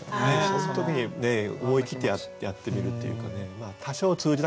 その時に思い切ってやってみるというかね。